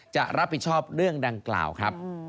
จะรับผิดชอบเรื่องดังกล่าวครับ